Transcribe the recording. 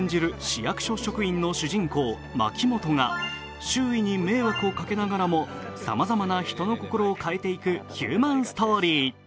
市役所職員の主人公・牧本が周囲に迷惑をかけながらもさまざまな人の心を変えていくヒューマンストーリー。